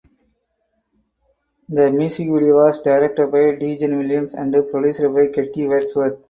The music video was directed by Tegen Williams and produced by Kitty Wordsworth.